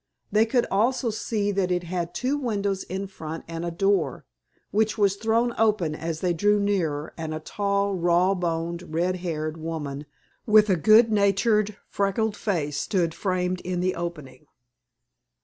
They could also see that it had two windows in front, and a door, which was thrown open as they drew nearer, and a tall, raw boned red haired woman with a good natured freckled face stood framed in the opening.